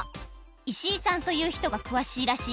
石井さんというひとがくわしいらしいよ。